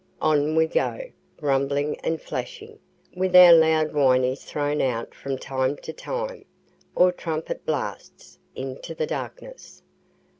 On we go, rumbling and flashing, with our loud whinnies thrown out from time to time, or trumpet blasts, into the darkness.